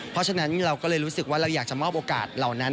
เพราะฉะนั้นเราก็เลยรู้สึกว่าเราอยากจะมอบโอกาสเหล่านั้น